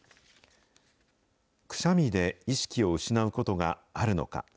くしゃみで意識を失うことがあるのか。